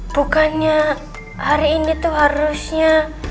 bukannya hari ini tuh harusnya